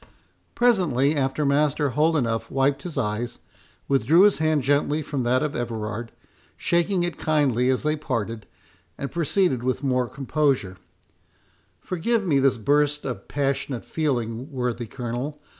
Presently after, Master Holdenough wiped his eyes, withdrew his hand gently from that of Everard, shaking it kindly as they parted, and proceeded with more composure: "Forgive me this burst of passionate feeling, worthy Colonel.